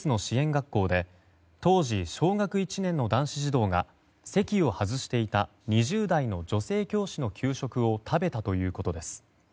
学校で当時、小学１年の男子児童が席を外していた２０代の女性教師の給食を食べたということです。